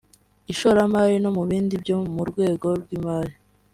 ishoramari no mu bindi byo mu rwego rw’imari